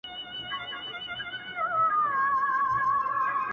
زما سره صرف دا يو زړگى دی دادی دربه يې كـــړم،